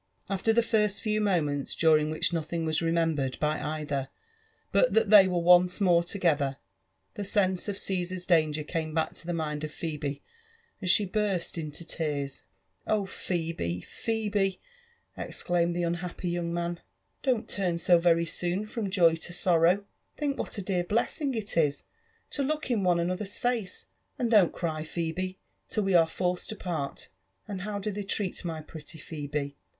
After the first few moments, during which nothing was remembered by either but that they were once more together, the sense of Caesar's danger came back to the mind of Phebe, and she burst into tears. Oh, Phebe ! Phebe !" exclaimed the unhappy young man, * 'don't turn so very soon from joy to sorrow I Think what a dear blessing it is to Ipok in one another*s face — and don't cry, Phebe, till, we are forced to part. — And how do they treat my pretty Phebe?